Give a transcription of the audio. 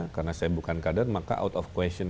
karena saya bukan kader maka out of question